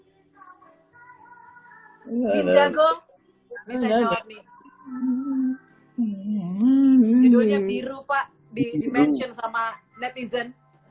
judulnya biru pak di mention sama netizen